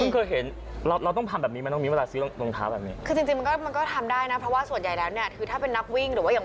จริงมันก็ทำได้นะคือเรื่องวิ่ง